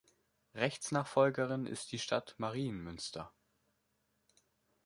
Rechtsnachfolgerin ist die Stadt Marienmünster.